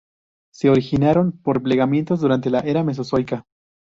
Se originaron por plegamientos durante la era Mesozoica.